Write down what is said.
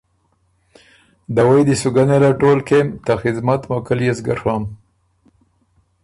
دوَئ دی سو ګۀ نېله ټول کېم۔ ته خدمت موقع ليې سو ګۀ ڒوم